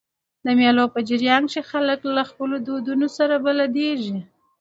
د مېلو په جریان کښي خلک له خپلو دودونو سره بلديږي.